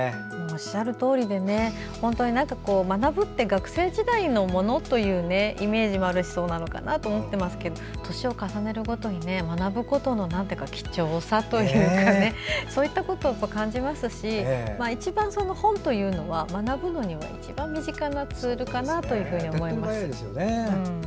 おっしゃるとおりでなんか「学ぶ」って学生時代のものっていうイメージがあるしそうなのかなと思ってますけど年を重ねるごとに学ぶことの貴重さというかそういうことを感じますし一番、本というのは学ぶのにも身近なツールかなと思います。